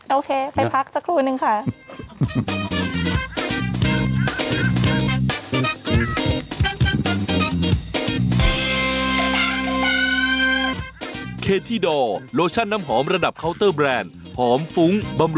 โอเคไปพักสักครู่นึงค่ะ